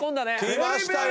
きましたよ